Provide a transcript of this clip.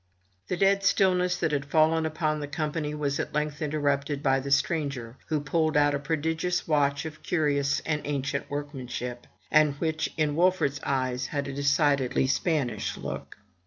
The dead stillness that had fallen upon the company was at length interrupted by the stranger, who pulled out a prodigious watch of curious and ancient workmanship, and which in Wolfert's eyes had a decidedly Spanish look.